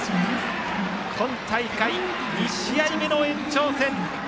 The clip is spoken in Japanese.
今大会２試合目の延長戦。